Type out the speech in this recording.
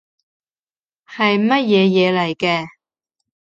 係乜嘢嘢嚟嘅